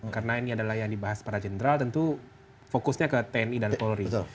karena ini adalah yang dibahas para jenderal tentu fokusnya ke tni dan polri